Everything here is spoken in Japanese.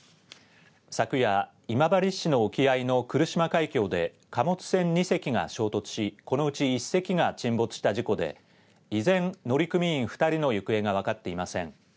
昨夜、今治市の沖合の来島海峡で貨物船２隻が衝突しこのうち１隻が沈没した事故で依然、乗組員２人の行方が分かっていません。